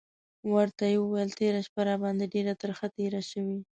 ورته یې وویل: تېره شپه راباندې ډېره ترخه تېره شوې.